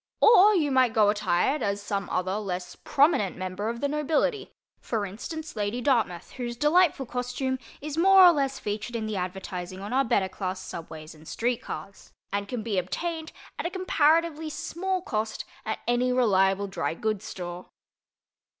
Or you might go attired as some other less prominent member of the nobility—for instance, Lady Dartmouth, whose delightful costume is more or less featured in the advertising on our better class subways and street cars, and can be obtained at a comparatively small cost at any reliable dry goods store.